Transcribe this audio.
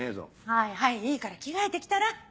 はいはいいいから着替えてきたら？